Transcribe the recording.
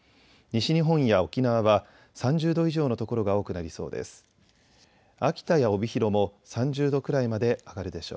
西日本や沖縄は３０度以上の所が多くなりそうです。